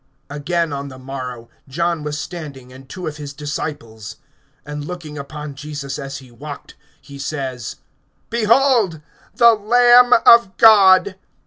(35)Again, on the morrow, John was standing, and two of his disciples; (36)and looking upon Jesus as he walked, he says: Behold the Lamb of God!